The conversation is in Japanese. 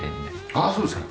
あっそうですか。